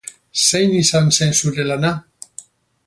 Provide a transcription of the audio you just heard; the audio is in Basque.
Zein izan zen zure lana?